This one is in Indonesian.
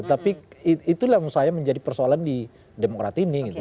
tapi itulah menurut saya menjadi persoalan di demokrat ini